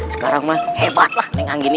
sekarang hebat dengan ini